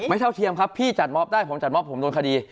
เท่าเทียมครับพี่จัดมอบได้ผมจัดมอบผมโดนคดี